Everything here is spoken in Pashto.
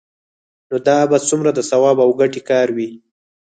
نو دا به څومره د ثواب او ګټې کار وي؟